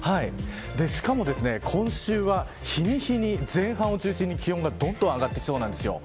しかも、今週は日に日に前半を中心に気温がどんどん上がってきそうなんです。